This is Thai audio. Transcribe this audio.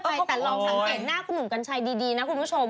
ใช่แต่ลองสังเกตหน้าคุณหนุ่มกัญชัยดีนะคุณผู้ชม